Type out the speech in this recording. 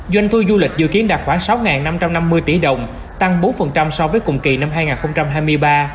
doanh thu du lịch dự kiến đạt khoảng sáu năm trăm năm mươi tỷ đồng tăng bốn so với cùng kỳ năm hai nghìn hai mươi ba